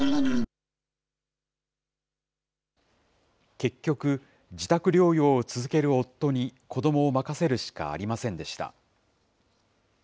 結局、自宅療養を続ける夫に子どもを任せるしかありませんでした。